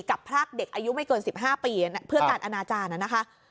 พรากเด็กอายุไม่เกิน๑๕ปีเพื่อการอนาจารย์นะคะ